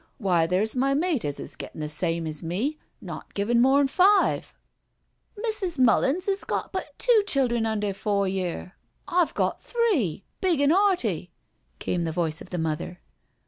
" Why, there's my mate, as is gettin* the same as me, not givin' more'n five "" Misses MuUins 'as got but two childern under four year. I've got three, big an* 'eartyl" came the voice of the mother.